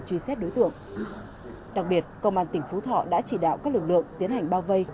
truy xét đối tượng đặc biệt công an tỉnh phú thọ đã chỉ đạo các lực lượng tiến hành bao vây